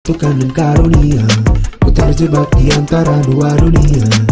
tukang dan karunia ku terjebak di antara dua dunia